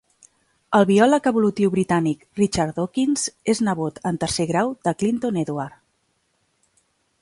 El biòleg evolutiu britànic Richard Dawkins és nebot en tercer grau de Clinton Edward.